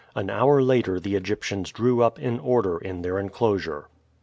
An hour later the Egyptians drew up in order in their inclosure.